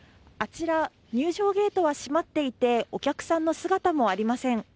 あちら、入場ゲートは閉まっていて、お客さんの姿もありません。